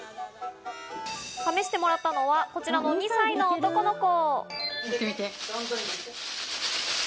試してもらったのはこちらの２歳の男の子。